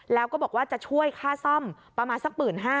แล้วก็บอกว่าจะช่วยค่าซ่อมประมาณสัก๑๕๐๐